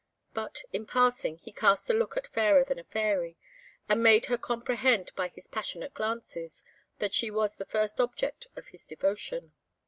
But in passing, he cast a look at Fairer than a Fairy, and made her comprehend by his passionate glances that she was the first object of his devotion.